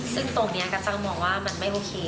ซึ่งตรงนี้ก็ต้องมองว่ามันไม่โอเค